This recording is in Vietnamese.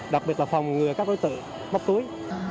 đặc biệt là phòng ngừa các đối tượng móc túi